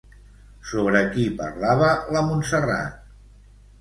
Sobre qui parlava la Montserrat?